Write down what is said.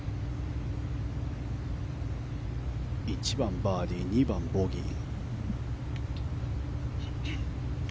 １番、バーディー２番、ボギー。